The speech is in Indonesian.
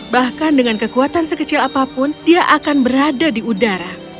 bahkan dengan kekuatan sekecil apapun dia akan berada di udara